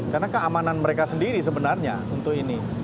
karena keamanan mereka sendiri sebenarnya untuk ini